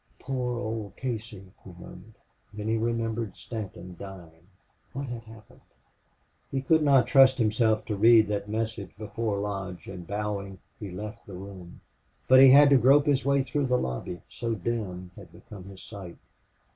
"Poor old Casey!" he murmured. Then he remembered. Stanton dying! What had happened? He could not trust himself to read that message before Lodge, and, bowing, he left the room. But he had to grope his way through the lobby, so dim had become his sight.